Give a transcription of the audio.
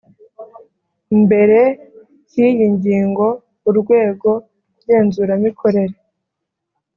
mbere cy iyi ngingo urwego ngenzuramikorere